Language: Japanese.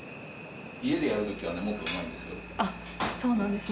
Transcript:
家でやるときはもっとうまいですよ。